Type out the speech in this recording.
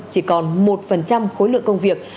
chỉ còn một khối lượng công việc